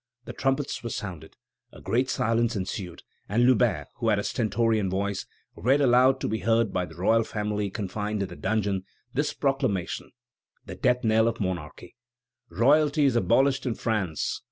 The trumpets were sounded. A great silence ensued, and Lubin, who had a stentorian voice, read loud enough to be heard by the royal family confined in the dungeon, this proclamation, the death knell of monarchy: "Royalty is abolished in France.